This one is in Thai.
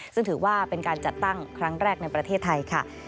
ซึ่งถือว่าเป็นการจัดตั้งครั้งแรกในประเทศไทยค่ะ